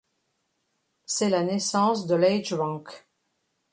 C'est la naissance de l'EdgeRank.